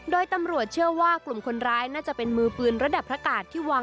โดยตำรวจเชื่อว่ากลุ่มคนร้ายน่าจะเป็นมือปืนระดับพระกาศที่วาง